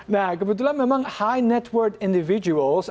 nah kebetulan memang high net worth individuals